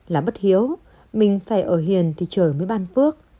là bất hiếu mình phải ở hiền thì trời mới ban phước